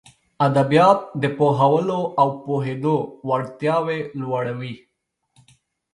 ادبيات د پوهولو او پوهېدلو وړتياوې لوړوي.